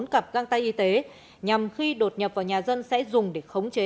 bốn cặp găng tay y tế nhằm khi đột nhập vào nhà dân sẽ dùng để khống chế